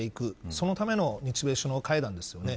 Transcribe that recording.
そのための日米首脳会談ですよね。